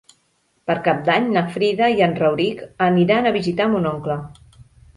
Per Cap d'Any na Frida i en Rauric aniran a visitar mon oncle.